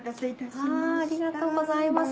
ありがとうございます。